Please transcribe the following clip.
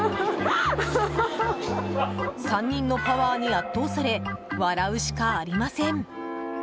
３人のパワーに圧倒され笑うしかありません。